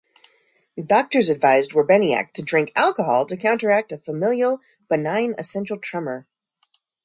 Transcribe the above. Doctors advised Werbeniuk to drink alcohol to counteract a familial benign essential tremor.